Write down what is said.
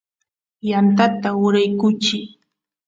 yantata uraykuchiy